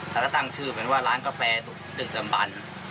แล้วก็ตั้งชื่อเป็นว่าร้านกาแฟดึกดำบัน